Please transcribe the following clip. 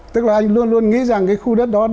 tức là anh luôn luôn nghĩ rằng cái khu đất đó